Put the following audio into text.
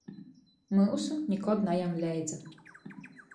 Myusu nikod najam leidza.